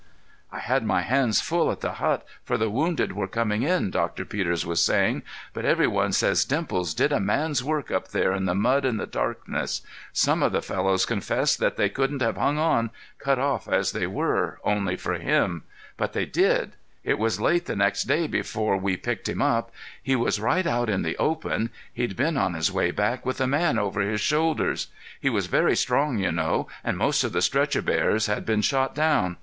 "I had my hands full at the hut, for the wounded were coming in," Doctor Peters was saying, "but every one says Dimples did a man's work up there in the mud and the darkness. Some of the fellows confessed that they couldn't have hung on, cut off as they were, only for him. But they did. It was late the next day before we picked him up. He was right out in the open; he'd been on his way back with a man over his shoulders. He was very strong, you know, and most of the stretcher bearers had been shot down.